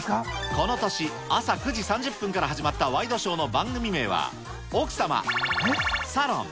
この年、朝９時３０分から始まったワイドショーの番組名は、奥様×××サロン。